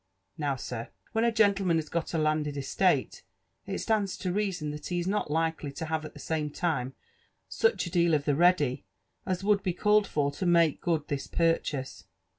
Now, sir« when a gentleman has got a landed estate, it stands to reason that he la not likely to have at the same time such a deal of the ready as would h% ealied for to make good this purchase.